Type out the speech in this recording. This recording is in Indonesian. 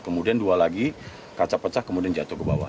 kemudian dua lagi kaca pecah kemudian jatuh ke bawah